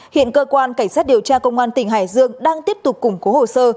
hiện cơ quan cảnh sát điều tra công an tỉnh hải dương đang tiếp tục củng cố hồ sơ